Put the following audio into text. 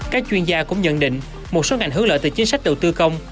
các chuyên gia cũng nhận định một số ngành hướng lợi từ chính sách đầu tư công